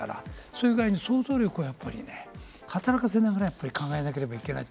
そういう具合に想像力をね、働かせながらと考えなければいけない。